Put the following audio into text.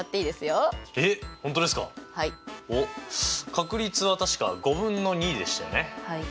確率は確か５分の２でしたよね。はい。